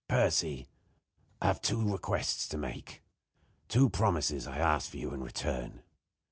"Percy, I have two requests to make; two promises I ask from you in return.